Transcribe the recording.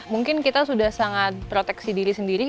mungkin kita sudah sangat proteksi diri sendiri